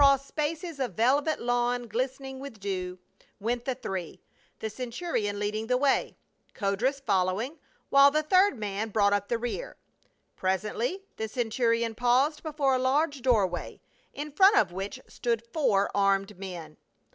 ss spaces of velvet lawn glistening with dew, went the three, the centu rion leading the way, Codrus following, while the third man brought up the rear. Presently the centurion paused before a large doorway, in front of which stood four armed men.